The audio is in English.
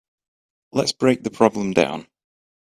Let's break the problem down.